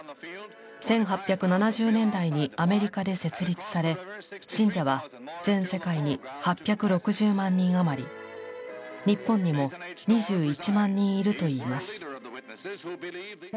１８７０年代にアメリカで設立され信者は全世界に８６０万人余り日本にも２１万人いるといいます。